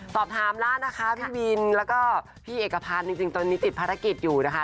สอบถามแล้วนะคะพี่วินแล้วก็พี่เอกพันธ์จริงตอนนี้ติดภารกิจอยู่นะคะ